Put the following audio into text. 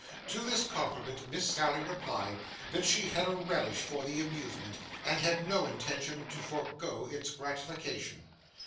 To this compliment Miss Sally replied, that she had a relish for the amusement, and had no intention to forego its gratification.